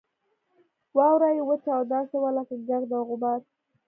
واوره یې وچه او داسې وه لکه ګرد او غبار.